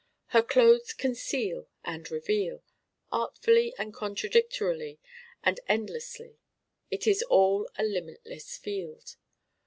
Her clothes conceal and reveal, artfully and contradictorily and endlessly. It is all a limitless field.